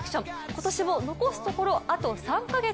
今年も残すところ、あと３か月。